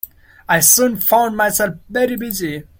I soon found myself very busy.